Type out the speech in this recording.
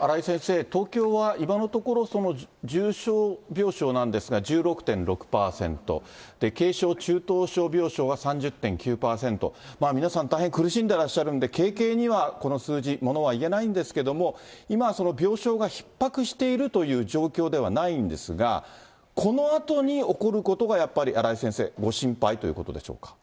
荒井先生、東京は今のところ、重症病床なんですが、１６．６％、軽症・中等症病棟が３０．９％、皆さん大変苦しんでらっしゃるんで、軽々にはこの数字、ものは言えないんですけども、今病床がひっ迫しているという状況ではないんですが、このあとに起こることがやっぱり荒井先生、ご心配ということでしょうか？